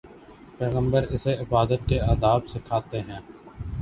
پیغمبر اسے عبادت کے آداب سکھاتے ہیں۔